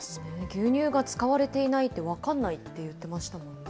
牛乳が使われていないって分かんないって言ってましたもんね。